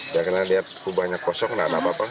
jangan lihat kubahnya kosong tidak ada apa apa